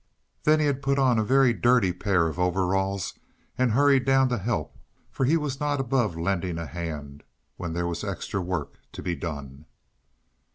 Then he had put on a very dirty pair of overalls and hurried down to help for he was not above lending a hand when there was extra work to be done.